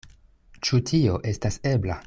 Ĉu tio estas ebla.